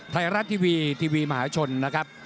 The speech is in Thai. ไทยรัฐทีวีทีวีมหาชนนะครับ